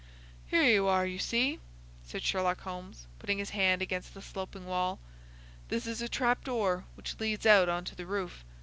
"Here you are, you see," said Sherlock Holmes, putting his hand against the sloping wall. "This is a trap door which leads out on to the roof.